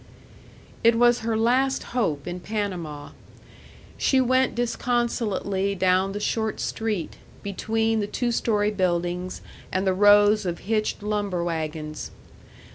It was her last hope in Panama. She went disconsolately down the short street, between the two story buildings and the rows of hitched lumber wagons.